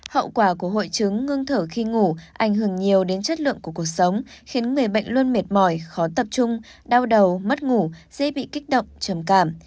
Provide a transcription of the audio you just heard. hậu quả của hội chứng ngưng thở khi ngủ ảnh hưởng nhiều đến chất lượng của cuộc sống khiến người bệnh luôn mệt mỏi khó tập trung đau đầu mất ngủ dễ bị kích động trầm cảm